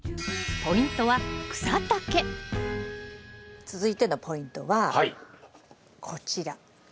ポイントは続いてのポイントはこちら。